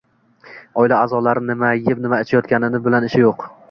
oila a’zolari nima yeb, nima ichayotgani bilan ishi yo‘q.